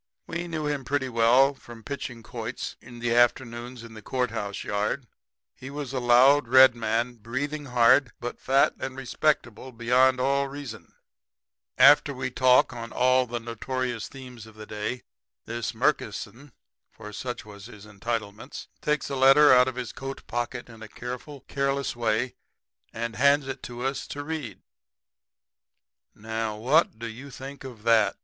We knew him pretty well from pitching quoits in the afternoons in the court house yard. He was a loud, red man, breathing hard, but fat and respectable beyond all reason. [Illustration: "Pitching quoits in the afternoon in the court house yard."] "After we talk on all the notorious themes of the day, this Murkison for such was his entitlements takes a letter out of his coat pocket in a careful, careless way and hands it to us to read. "'Now, what do you think of that?'